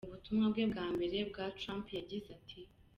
Mu butumwa bwe bwa mbere, Bwana Trump yagize ati: .